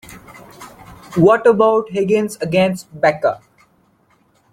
What about Higgins against Becca?